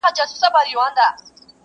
نن هغه سالار د بل په پښو كي پروت دئ!!